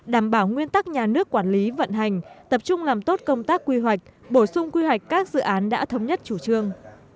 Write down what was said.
đảm bảo nguyên tắc nhà nước quản lý vận hành tập trung làm tốt công tác quy hoạch bổ sung quy hoạch các dự án đã thống nhất chủ trương